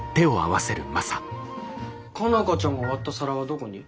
佳奈花ちゃんが割った皿はどこに？